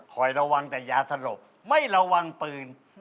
ระวังแต่ยาสลบไม่ระวังปืน